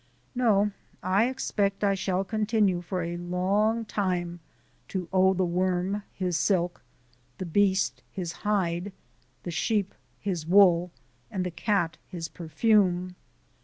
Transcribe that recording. No, I expect I shall continue for a long time to owe the worm his silk, the beast his hide, the sheep his wool, and the cat his perfume!